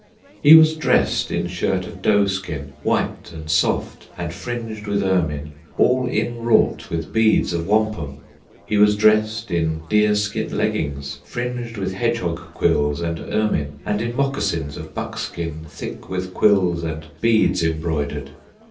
He was dressed in shirt of doeskin, White and soft, and fringed with ermine, All inwrought with beads of wampum; He was dressed in deer skin leggings, Fringed with hedgehog quills and ermine, And in moccasins of buck skin, Thick with quills and beads embroidered.